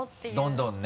どんどんね？